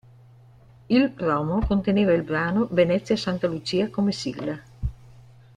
Il promo conteneva il brano "Venezia S. Lucia" come sigla.